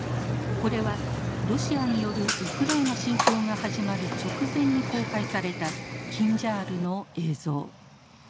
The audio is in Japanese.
これはロシアによるウクライナ侵攻が始まる直前に公開されたキンジャールの映像。